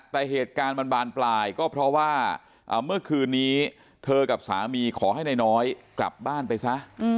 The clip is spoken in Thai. แต่เหตุการณ์มันบานปลายก็เพราะว่าเมื่อคืนนี้เธอกับสามีขอให้นายน้อยกลับบ้านไปซะ